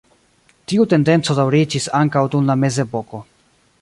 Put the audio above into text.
Tiu tendenco daŭriĝis ankaŭ dum la mezepoko.